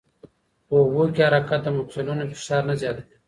په اوبو کې حرکت د مفصلونو فشار نه زیاتوي.